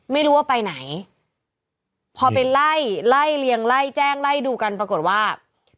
ไม่รู้ว่าไปไหนพอไปไล่ไล่เลียงไล่แจ้งไล่ดูกันปรากฏว่า